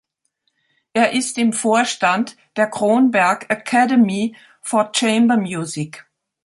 Er ist im Vorstand der Kronberg Academy for Chamber Music.